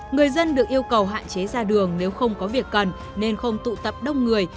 người dân được yêu cầu hạn chế ra đường nếu không có việc cần nên không tụ tập đông người